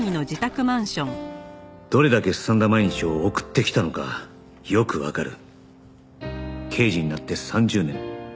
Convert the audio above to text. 「どれだけすさんだ毎日を送ってきたのかよくわかる」「刑事になって３０年」